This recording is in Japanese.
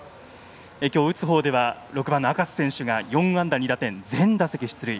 今日、打つ方では６番の赤瀬選手が４安打２打点、全打席出塁。